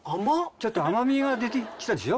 ちょっと甘みが出て来たでしょ。